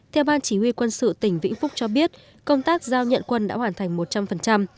theo ban chỉ huy quân sự tỉnh vĩnh phúc cho biết công tác giao nhận quân đã hoàn thành một trăm linh